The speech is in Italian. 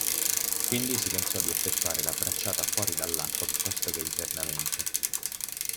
Quindi si pensò di effettuare la bracciata fuori dall'acqua piuttosto che internamente.